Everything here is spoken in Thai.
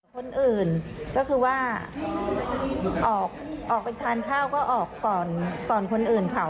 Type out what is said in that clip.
คนอื่นก็คือว่าออกไปทานข้าวก็ออกก่อนคนอื่นเขา